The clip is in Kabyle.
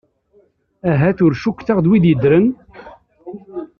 Ahat ur cukteɣ d wid yeddren?